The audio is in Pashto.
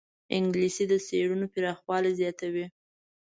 انګلیسي د څېړنو پراخوالی زیاتوي